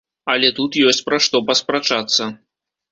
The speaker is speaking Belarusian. Але тут ёсць пра што паспрачацца.